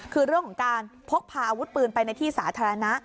คือเรื่องของการพกพาอาวุธปืนไปในที่สาธารณะ